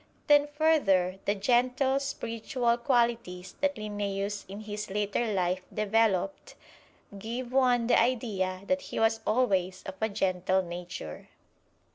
Then further, the gentle, spiritual qualities that Linnæus in his later life developed give one the idea that he was always of a gentle nature.